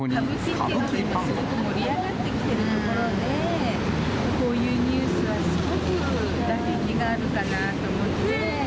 歌舞伎っていうのがすごく盛り上がってきているところで、こういうニュースってすごく打撃があるかなと思って。